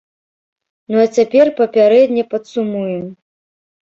Ну а цяпер папярэдне падсумуем.